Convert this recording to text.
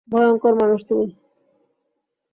ভয়ংকর মানুষ তুমি।